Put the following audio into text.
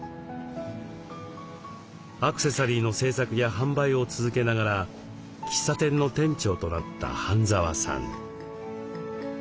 アクセサリーの制作や販売を続けながら喫茶店の店長となった半澤さん。